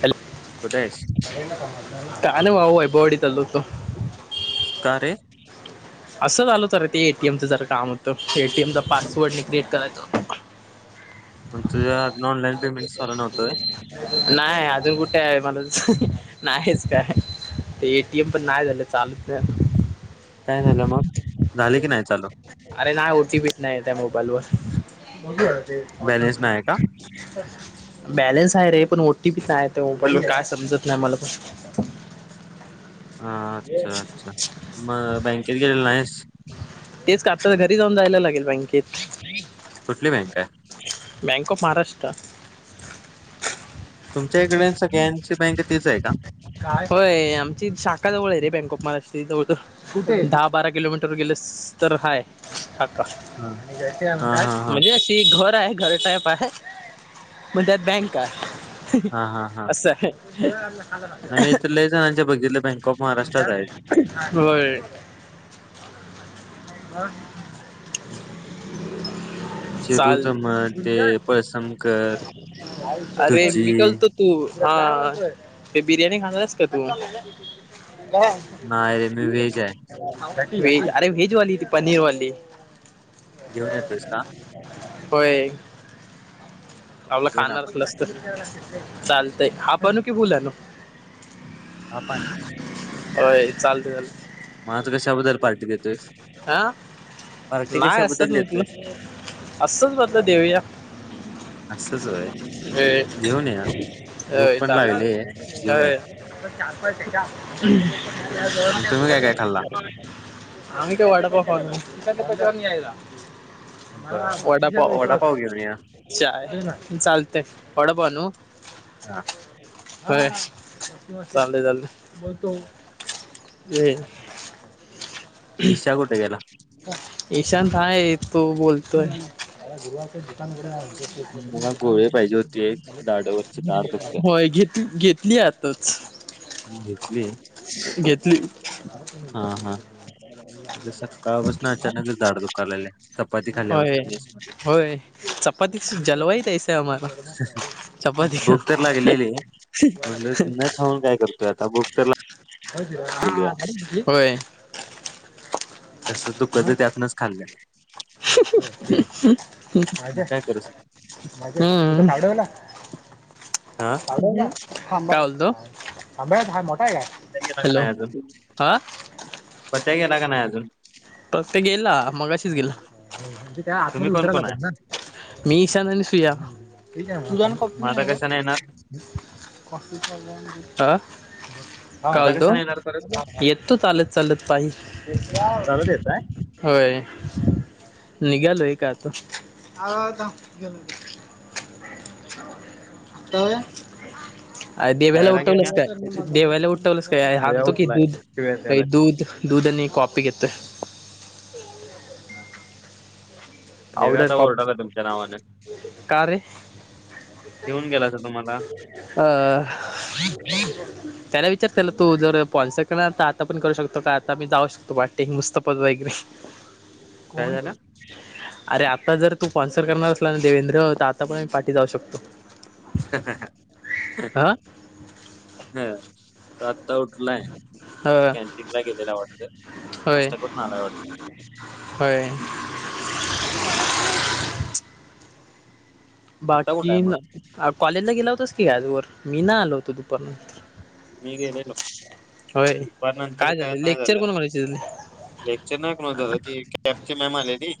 Hello. कुटयसं? का नाही वावय बोडी तलतो. कार रे असं झाल तर ते एटीएमचं जर काम होतं ए टी एम चा पासवर्डने क्रिएट करायचं. मगुझ अ ऑनलाईन पेमेंट झाला नव्हतय. नाही अजून कुठे आहे मला त नाहीच काय? ते एटीएम पण नाही झालं चालत. काय झालं मग झाले की नाही चालू. अरे नाही ओटीपीच नाही त्या मोबाईल वर बघ ते बॅलेन्स नाही का? बॅलेन्स आहे रे पण ओटी पीच आहे ते बून काय समजत नाही मला पण हा अच्छा अच्छा मग बँकेत गेलेलं नाहीस? तेच काता तर घरी जाऊन जायला लागेल बँकेत तुठली बँक आहे. बँक ऑफ महाराष्ट्र तुमच्या इकडे सगळन सी बँक तेच आहे का? होय आमची शाखा जवळ आहे रे बँक ऑफ महाराष्ट्राची जवळ कुठे दहा बारा किलोमीटर गेलेस तर हाय. काका हा आणि ज हा अंतात हा. म्हणजे ती घर आहे घर टाईप आहे म्हण त्यात बँक आहे. हा असछं. नाही् इथ लले जनाच्या बघितले बँक ऑफ महाराष्ट्रातच आहेत. होय. हम्म हम्म. चाल पळसमकर, अरे निकल तुझी तो तू हा ते बिर्याणी खाणारस का तू? नाही रे मी वेच आहे. अरे वेज वाली ती पनीर वाली घेऊन येतोयस का? होय आपलं ये ना खाणार मग ल ये. असत. चालतंय आपणू कि बुलान आपन होय चालत चाल. मझं कशाबद्दल पार्टी देतोय. हा नाही असतच म देतोयस? त असंच बदलं देवया. असचय घेऊन या. भूक होय पण चांगलं लागली आहे, घेऊन या मग तुम्ही काय काय खाल्ला पा [inaudible] अम वाटॉला बर मग वडपाव वडापाव घेऊन या अच् ना चालतय ड बनू हा. ह चालले चालले. विशाकुठे गेला. ईशान आहे तो बोलतोय ग दुकान क मला गोळे पाहिजे होती एक दाढवरची दाढ दुखत्या होय घेत घेतलीत. तेच. तेचरे घेतली. हा हा. सकाळपासून अचानकच झाड दुकारलेले चपाती खाल्ल्यापासून मेस मध्ये चपती जलवाई तैस आमला भूक तर लागलेले. म्हटलं न खाऊन काय करतोय आता बुक तर लागली होय. तसंच दुःखच ते आपणच खाल्लं. जा. मग काय करू शकतो. डलाडला. हा काय होतं? प्या गेला का नाही अजून पत्या गेला का नाही अजून तरग ते गेला मगाशीच गेला म्हजे त्या आत तुम्ही कोण उतराला कोण आहे पण ना. मी, ईशान आणि सुया. मग आता कशाने येणार आ. काय आता बोलतो, कशाने येणार परत येतो चालत चालत पायी. चालत येताय होय. निघालोय का आता, आलो आलो थांब घेऊन येतो. जाऊया? देव्याला खायला घेऊन या उठवलंस काय, देव्याला उठवलंस काय? देव्या आणतो की उठलाय दूध शिव्या काय द्यायलाय तुम्हाला दूध. दूध आणि कॉफी घेतोय. देव्या पावडर आता कॉफी ओरडालाय तुमच्या नावानं. का रे येऊन गेला असल तुम्हाला. अह. त्याला विचार त्याला तो जर स्पॉन्सर करणार तर आतापण करू शकतो का, आता मी जाऊ शकतो वाटे [unintelligible] [inaudible] काय झालं? अरे आता जर तू स्पॉन्सर करणार असला ना देवेंद्र, तर आता पण आम्ही पाठी जाऊ शकतो. [unintelligible] हा. हा तो आत्ता उठलाय, ह कॅन्टींगला गेलेला वाटतं. होय नाश्ता करून आलाय वाटतं होय. आता बाकी कुठाय मग कॉलेजला गेला होतास की ग आजवर, मी ना आलो होतो दुपारनं. मी गेलेलो, होय दुपार नंतर काय नाही लेक्चर झालं. कोण करायचे तुले? लेक्चर नाही कुणाचं आता ती, कॅबची मॅम आलेली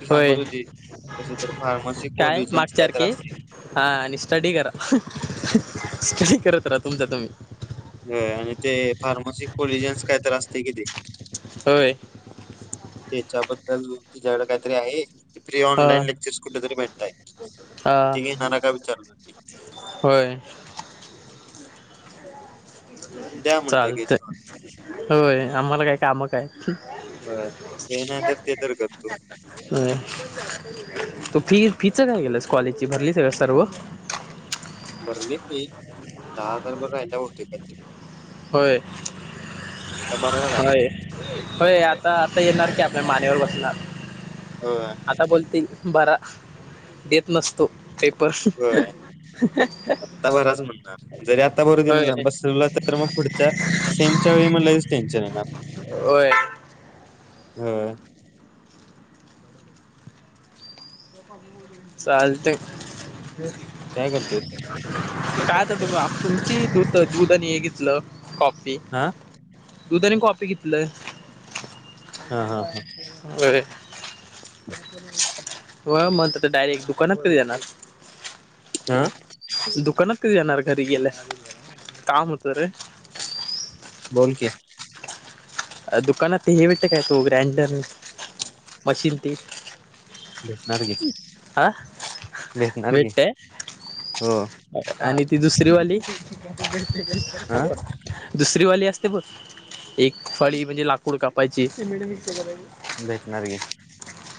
ती सांगत होय होती. तशी तर फार्मसी काय कॉलेजांचं कायतर मागच्याारखे असतंय की. हा आणि स्टडी करा. स्टडी करत रा तुमचा तुम्ही. होय आणि ते फार्मसी कॉलेजांचं कायतर असतंय की ते. होय. तेच्याबद्दल तिच्याकडे काहीतरी आहे. ते फ्री ह ऑनलाईन लेक्चर्स कुठेतरी भेटतायत, ह ते घेणारा का विचार. होय. द्या म्हणत्या चालतंय. घेतो आम्ही होय आम्हाला काय काम काय? [inaudible] होय ते नाही तर ते तर करतो अ तू फी फीच काय केलंस, कॉलेजची भरलीसका सर्व? भरले ते, दहा हजारभर राहिल्या हुते त्यातले. होय. आता भरायला लागल होय होय आता आता येणार की, आपल्या मानेवर बसणार. होय आता बोलतील बरा, येत नसतो येत. होय आता बराच म्हणणार. जरी आता बर दिलं होय ना, बसविला तर तर मग पुढच्या सेमच्या वेळी मग लयच टेन्शन येणार. होय होय. चालतंय. काय करतोयस? काय आता [unintelligible] तुमची दूध दूध आणि हे घेतलं कॉफी. आ. दूध आणि कॉपी घीतलं हा हा हा होय. होय मग तिथं डायरेक्ट दुकानात कधी देणार? आ. दुकानात कधी येणार घरी गेल्यानंतर, काम हुतं रे. बोलकी. दुकानात ते हे भेटत काय, तो ग्राइंडर मशीन ते? भेटणार की. आ भेटणार की मटे. हो आणि ती दुसरी वाली? हा दुसरीवाली असते बघ, एक फळी म्हणजे लाकूड कापायची. भेटणार की.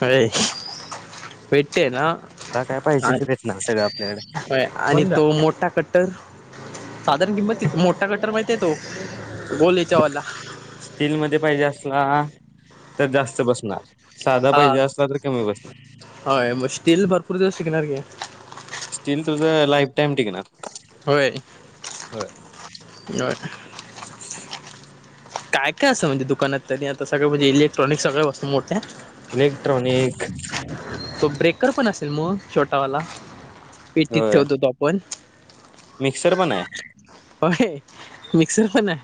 अय [unintelligible] ते हायना तुला काय पाहिजे आणि ते भेटणार सगळं आपल्याकडे होय आणि तो मोठा कट्टर? साधारण किंमत कित मोठा गटर माहिती आहे तो, गोलेच्या हेच्यावाला. स्टील मध्ये पाहिजे असला, तर जास्त बसणार. साधा पहिजे असला तर कमी बसतात. हय मग स्टील भरपूर दिवस शिकणार गे. स्टील तुझं लाईफ टाइम टिकणार. होय. ह. या. काय काय असं म्हणजे दुकानात तरी, आता सगळं म्हणजे इलेक्ट्रॉनिक सगळ्या वस्तू मोठ्या. इलेक्ट्रॉनिक तो ब्रेकरपण असेल मग छोटावाला. पेटीत ठेवतो तो आपण. मिक्सरपण हाय. होय मिक्सर पण हाय.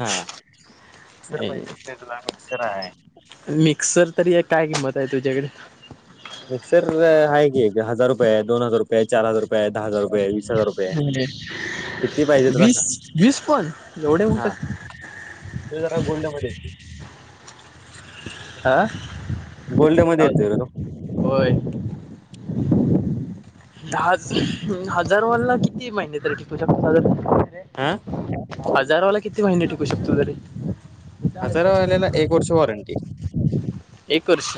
हा मिक्सर ए, पाहिजे असले तुला मिक्सर हाय. मिक्सर तरी एक काय किंमत आहे तुझ्याकडे? मिक्सर आहे की हजार रुपये दोन हजार रुपये चार हज रुपये दहा हजार रुपये वीस हजार रुपये आहे. किती पाहिजे [unintelligible] तुला वीस सांग वीस कॉल एवढे होतात? ते जरा गोल्डमध्येध्ये येतील. आ. गोल्ड मध्ये येतोयरे तो. होय. द हजारवाला किती महिने तर कि तुमच्या पाास हजार आ. हजारावाला किती महिने टिकू शकतो तरी? हजार वाल्याला एक वर्ष वॉरंटी. एक वर्ष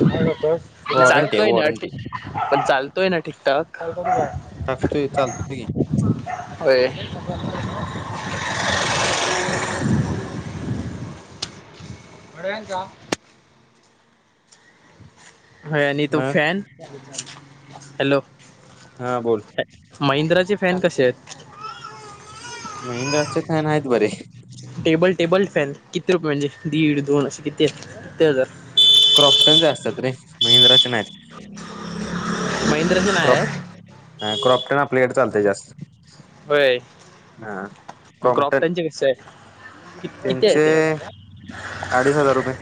वॉरंटी आहे चालतोय ना आठ वॉरंटी पण चालतोय ना ठीकठाक. टाकतोय, चालतो की. होय. [unintelligible] होय आणि तो मग फॅन? हॅलो. हा बोल. महिंद्राचे फॅन कसे आहेत? महिंद्राचे फॅन आहेत बरे. टेबल टेबल फॅन किती रुपये म्हणजे, दीड दोन असे किती किती हजार? क्रॉप्टनचे असतात रे, महिंद्राचे नाहीत. महिंद्राचं नाय. ह क्रॉपट ना प्लेट चालते जास्त होय हा मग क्रॉप क्रॉम्प्टन त्यांचे कससे आहे. किती किती आहे त्यांचे ते? अडीच हजार रुपये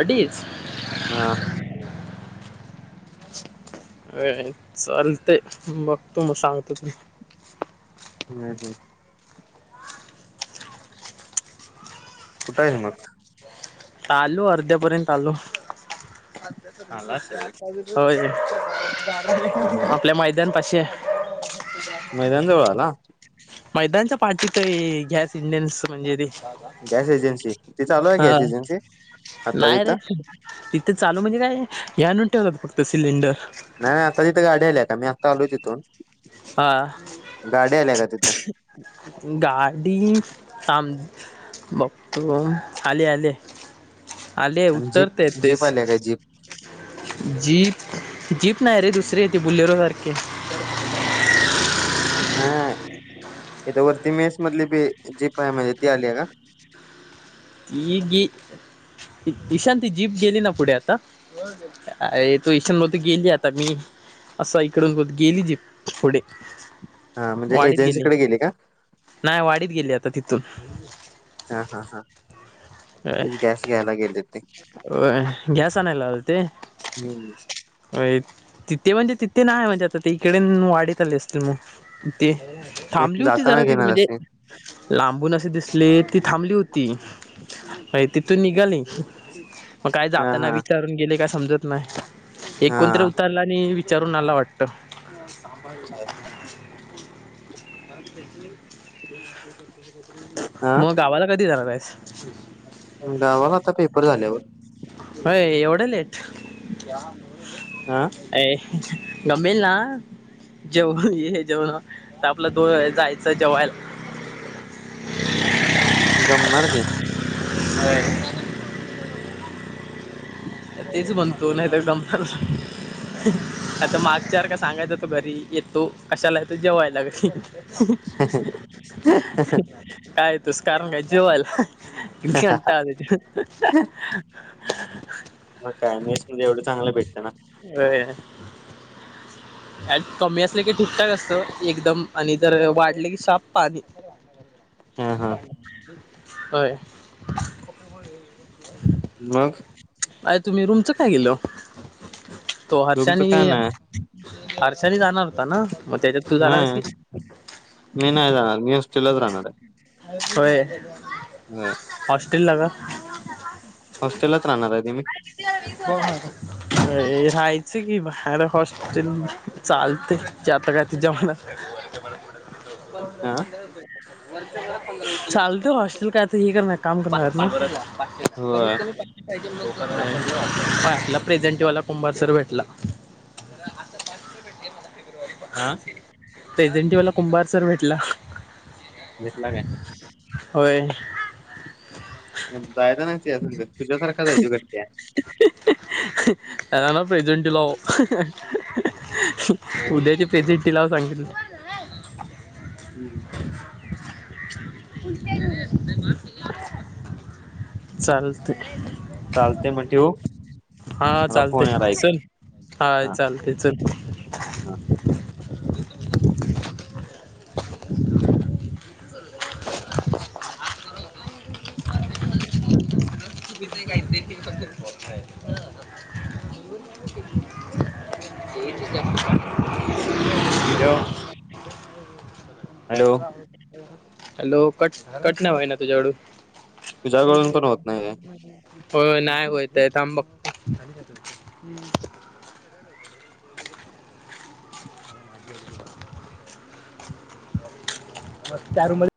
अडीच. हा. होय चालतंय, बघतो मग सांगतो तुला. हम्म हम्म. कुठं आहेस मग? आलू अर्ध्या पर्यंत आलू आला असेल रे होय आपल्या मैदानपाशी हाय. मैदान जवळ आला. मैदानच्या पाठीत आहे गॅस इंडेन्स म्हणजे ते गॅस एजन्सी ते चालू आहे हा गॅस एजन्सी आता नाही रे तिथं? तिथे चालू म्हणजे काय हे आणून ठेवलात फक्त सिलेंडर. नाही नाही आता इथं गाडी आली काय मी आत्ता आलोय तिथून. हा. गाडी आल्या का तिथं गाडी त. बघ तो आले आले आले उत्तर ते ते तेस का जीप जीप जीप नाही रे दुसरीे हाय ती बुलेरोसारखी हाय. नाय नाय इथ वरती मेसमधली ती जी काय आहे म्हणजे ती आल्या का? ही गे इशांत जीप गेली ना पुढे आता अर तो इईशान मध्ये गेली आता मी असा इकडून गेली जी पुढे हा म्हणजे वाडीत गेली. एजन्सीकडे का नाही वाडीत गेली आता तिथून. हा हा हा तेच गॅस घ्यायला गेले. ते होय गॅस आणायला ओ ते. हम्म होय तिथे म्हणजे तिथे नाही म्हणजे आता ते इकडे वाडीत आले असतील, मग ते थांबली होती जरा जाताना तिरी घेणार म्हणजे असे लांबून अशी दिसली ती थांबली होती. म्हणजे तिथुन निघाली. मग काय हा जाताना हा विचारून गेले काय समजत नाही. एक हा कोणतरी उतारला आणि विचारून आला वाटतं. अच्छा अच्छा. हा मग गावाला कधी जाणार आहेस? गावाला आता पेपर झाल्यावर. अय एवढं लेट हा. [unintelligible] होय जायचं जेवायला. अं गमणार की. ह. तेच बोलतोय नाही तर कंपलला आता मागच्या सारखं सांगायच होतं घरी येतो. कशाला येतो? जेवायला. काय येतोस कारण काय जेवायला? कंटाळतो. [unintelligible] मग काय मेसमध्ये एवढं चांगल भेटं ना. होय. कमी असले की ठीकठाक असत एकदम आणि जर वाढले की शाप पाणी हा हा होय. मग? काय तुम्ही रूमच काय केलं? तो हर्षा तुमचं काय आणि नाही अर्षणी जाणार होता ना मग त्याच्यात तू जाणारस नाही की मी नाही जाणार मी हॉस्टेललाच राहणार होय. हम्म. हॉस्टेलला का? हॉस्टेललाच राहणार आहे तुम्ही? हो हो. राहायच की बाहेर हॉस्टेल चालतय जात का तुझ्या मनात [inaudible] हा.. चालतोय ना हॉस्टेल काय ते हे करणार काम करणार आहे पाचशे कमीत होय कमी पाच आपला प्रेझेंटेवाला कुंभा सर भेटला. [inaudible] हा.. प्रेझेंटी वाला कुंभार सर भेटला. घेतला काय? होय.. [unintelligible] यदा स तुझ्यासारखा नाही आहे करते [unintelligible] राणा प्रेझेंटी लाव. उद्याची प्रेझेंटी लाव सांगितली. हम् [inaudible] चालतय चालतंय मग ठेवू हा मला चालतय फोन यायला एक चल हा चालतेय चल हा [inaudible] काय नाही [unintelligible] [inaudible] hello hello [inaudible] hello cut cut ना होय ना तुझ्या कडून तुझ्याकडून पण होत नाही आहे. हो नाय होय ते थांब बघ मग त्या रूम मध्ये